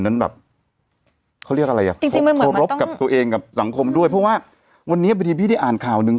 เขาเรียกอะไรอ่ะพบกับตัวเองกับสังคมด้วยเพราะว่าวันนี้พอดีพี่ได้อ่านข่าวหนึ่ง